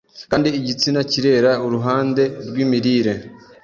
Kandi igitsina kirera uruhande rwimirire